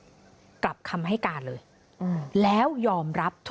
คุยกับตำรวจเนี่ยคุยกับตำรวจเนี่ย